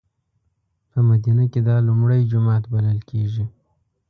په مدینه کې دا لومړی جومات بللی کېږي.